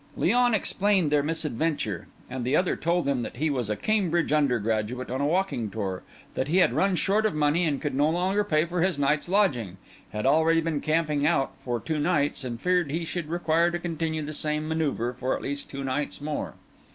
Léon explained their misadventure; and the other told them that he was a Cambridge undergraduate on a walking tour, that he had run short of money, could no longer pay for his night's lodging, had already been camping out for two nights, and feared he should require to continue the same manœuvre for at least two nights more.